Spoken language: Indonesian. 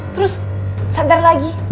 terus sadar lagi